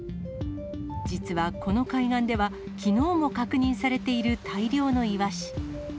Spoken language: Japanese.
実はこの海岸では、きのうも確認されている大量のイワシ。